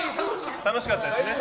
楽しかったです。